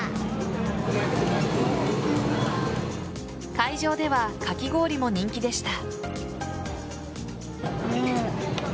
会場では、かき氷も人気でした。